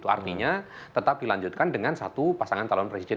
artinya tetap dilanjutkan dengan satu pasangan calon presiden